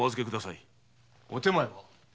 お手前は？